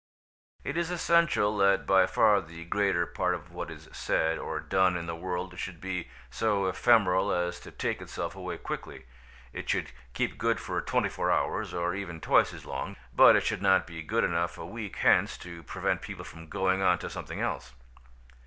It is essential that by far the greater part of what is said or done in the world should be so ephemeral as to take itself away quickly; it should keep good for twenty four hours, or even twice as long, but it should not be good enough a week hence to prevent people from going on to something else.